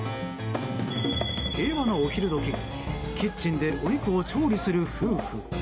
平和なお昼時キッチンでお肉を調理する夫婦。